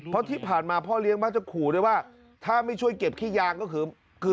เพราะที่ผ่านมาพ่อเลี้ยงมักจะขู่ด้วยว่าถ้าไม่ช่วยเก็บขี้ยางก็คือคือ